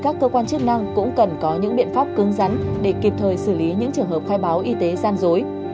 các cơ quan chức năng cũng cần có những biện pháp cưng rắn để kịp thời xử lý những trường hợp khai báo y tế gian dối